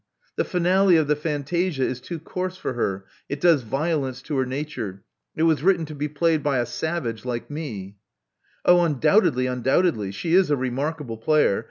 The finale of the fantasia is too coarse for her: it does violence to her nature. It was written to be played by a savage — like me." '*Oh, undoubtedly, undoubtedly! She is a remark able player.